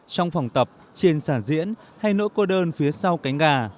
trong phòng tập trên sản diễn hay nỗi cô đơn phía sau cánh gà